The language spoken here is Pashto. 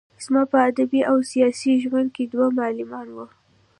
زما په ادبي او سياسي ژوندانه کې دوه معلمان وو.